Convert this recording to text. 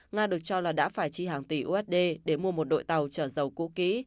nga được cho là đã phải chi hàng tỷ usd để mua một đội tàu trở dầu cũ kỹ